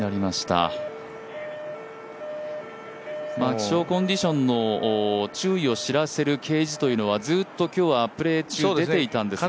気象コンディションの注意を知らせる掲示というのはずっと今日はプレー中、出ていたんですが。